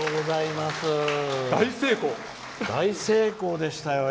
大成功でしたよ。